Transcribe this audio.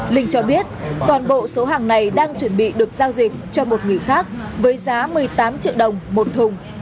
linh cho biết toàn bộ số hàng này đang chuẩn bị được giao dịch cho một người khác với giá một mươi tám triệu đồng một thùng